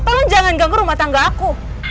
tolong jangan ganggu rumah tangga aku